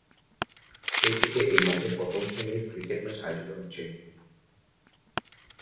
সেই থেকে এই মাঠে প্রথম শ্রেণীর ক্রিকেট ম্যাচ আয়োজিত হচ্ছে।